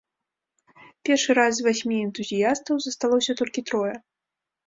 Першы раз з васьмі энтузіястаў засталося толькі трое.